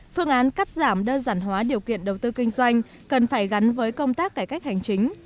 phương án cắt giảm đơn giản hóa điều kiện đầu tư kinh doanh cần phải gắn với công tác cải cách hành chính